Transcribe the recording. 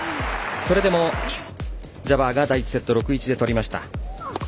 それでもジャバーが第１セット、６−１で取りました。